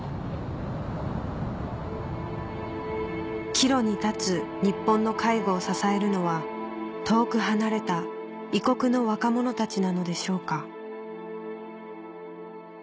岐路に立つ日本の介護を支えるのは遠く離れた異国の若者たちなのでしょうか